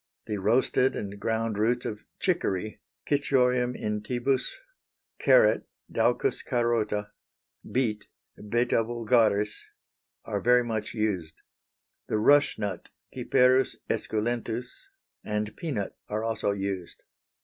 The roasted and ground roots of chicory (Cichorium intybus), carrot (Daucus carota), beet (Beta vulgaris), are very much used. The rush nut (Cyperus esculentus), and peanut are also used.